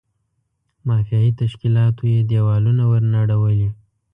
مافیایي تشکیلاتو یې دېوالونه ور نړولي.